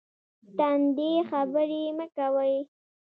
تندې خبرې مه کوئ